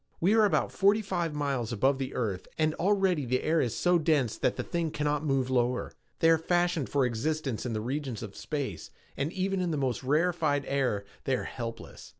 "We are about forty five miles above the earth and already the air is so dense that the thing cannot move lower. They are fashioned for existence in the regions of space and in even the most rarified air they are helpless.